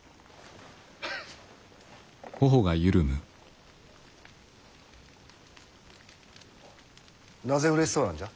ヘヘッ。なぜうれしそうなんじゃ？